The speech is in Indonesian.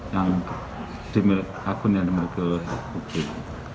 yang dimiliki akun yang dimiliki oleh busb